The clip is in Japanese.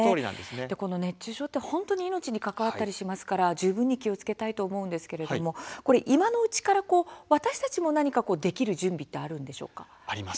この熱中症、本当に命に関わりますから十分に気をつけたいと思いますが今のうちから私たちも何かできる準備ってあるんでしょうか。